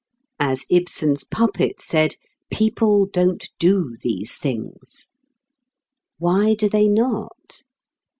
As Ibsen's puppet said: "People don't do these things." Why do they not?